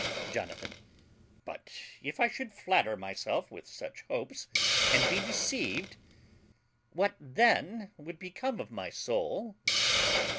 JONATHAN. But if I should flatter myself with such hopes, and be deceived what then would become of my soul?